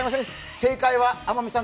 正解は、天海さん